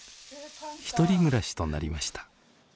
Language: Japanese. １人暮らしとなりました。